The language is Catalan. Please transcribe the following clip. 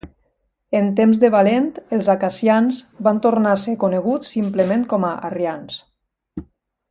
En temps de Valent, els acacians van tornar a ser coneguts simplement com a arrians.